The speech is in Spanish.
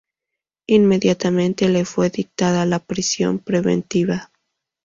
Inmediatamente le fue dictada la prisión preventiva.